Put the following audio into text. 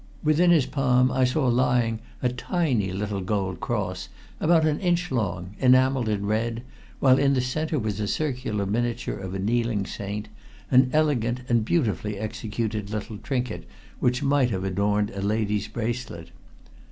Within his palm I saw lying a tiny little gold cross, about an inch long, enameled in red, while in the center was a circular miniature of a kneeling saint, an elegant and beautifully executed little trinket which might have adorned a lady's bracelet.